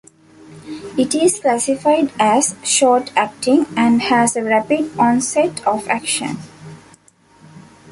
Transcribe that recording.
It is classified as short-acting, and has a rapid onset of action.